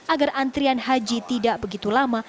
agar antrian haji tidak begitu lama